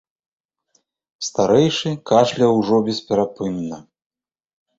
Старэйшы кашляў ужо бесперапынна.